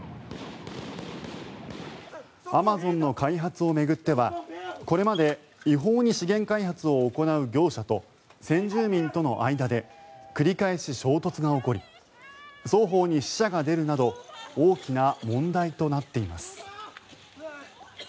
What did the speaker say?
アマゾンの開発を巡ってはこれまで違法に資源開発を行う業者と先住民との間で繰り返し衝突が起こり双方に死者が出るなど大きな問題となっています。